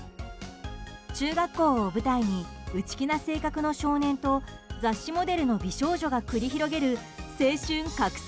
中学校を舞台に内気な性格の少年と雑誌モデルの美少女が繰り広げる青春格差